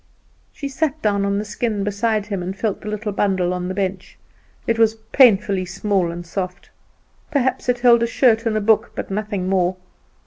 She sat down on the skin beside him, and felt the little bundle on the bench; it was painfully small and soft. Perhaps it held a shirt and a book, but nothing more.